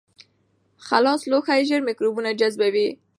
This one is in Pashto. خلاص لوښي ژر میکروبونه جذبوي.